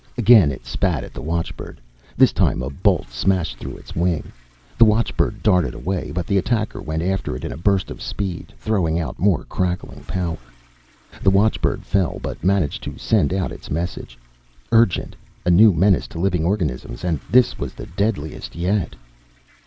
Again it spat at the watchbird. This time, a bolt smashed through a wing, the watchbird darted away, but the attacker went after it in a burst of speed, throwing out more crackling power. The watchbird fell, but managed to send out its message. Urgent! A new menace to living organisms and this was the deadliest yet!